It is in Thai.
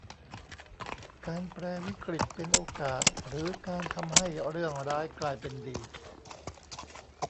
การแปรวิกฤตเป็นโอกาสหรือการทำให้เรื่องร้ายกลายเป็นดี